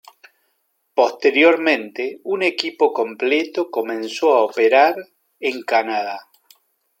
Posteriormente, un equipo completo comenzó a operar en Canadá.